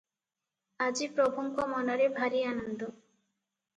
ଆଜି ପ୍ରଭୁଙ୍କ ମନରେ ଭାରି ଆନନ୍ଦ ।